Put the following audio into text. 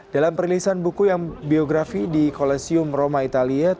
dalam perilisan buku yang biografi di kolesium roma italia